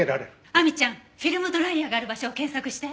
亜美ちゃんフィルムドライヤーがある場所を検索して。